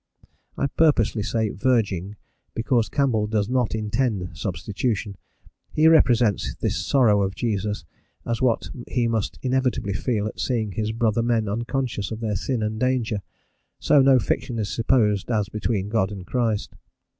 I purposely say "verging," because Campbell does not intend substitution; he represents this sorrow of Jesus as what he must inevitably feel at seeing his brother men unconscious of their sin and danger, so no fiction is supposed as between God and Christ.